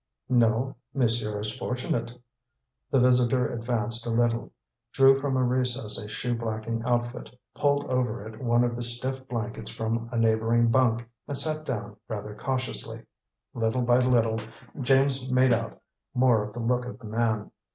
"No? Monsieur is fortunate." The visitor advanced a little, drew from a recess a shoe blacking outfit, pulled over it one of the stiff blankets from a neighboring bunk, and sat down rather cautiously. Little by little James made out more of the look of the man.